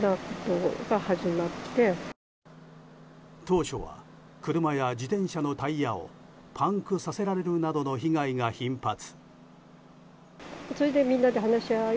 当初は、車や自転車のタイヤをパンクさせられるなどの被害が頻発。